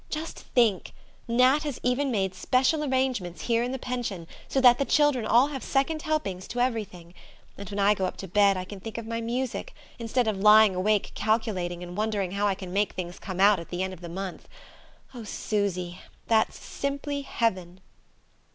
Just think Nat has even made special arrangements here in the pension, so that the children all have second helpings to everything. And when I go up to bed I can think of my music, instead of lying awake calculating and wondering how I can make things come out at the end of the month. Oh, Susy, that's simply heaven!"